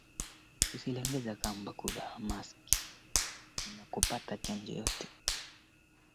aa ni nini haswa wanapokua katika timu ya taifa anapenda sana kutumia mfano